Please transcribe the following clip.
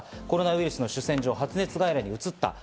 コロナウイルスの主戦場は発熱外来にうつった。